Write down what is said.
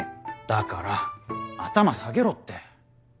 だから頭下げろって。